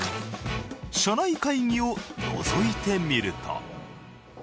社内会議をのぞいてみると。